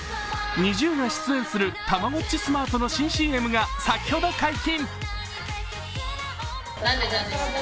ＮｉｚｉＵが出演するたまごっちスマートの新ＣＭが先ほど解禁。